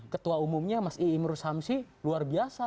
ketua umumnya mas ii imru shamsi luar biasa